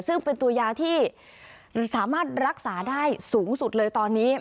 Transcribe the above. ซึ่งเป็นตัวยาที่สามารถรักษาได้สูงสุดเลยตอนนี้